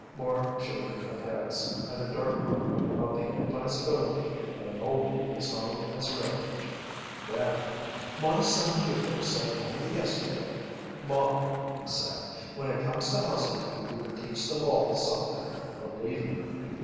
More shaking of heads, and a dark murmur about the advisability of an Old People's Home as a refuge. Then: "My son Hugo said only yesterday, 'Ma,' he said, 'when it comes to housekeeping you could teach them all something, believe me.